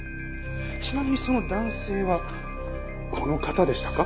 ちなみにその男性はこの方でしたか？